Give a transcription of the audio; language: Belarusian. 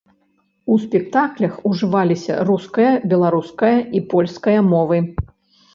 У спектаклях ужываліся руская, беларуская і польская мовы.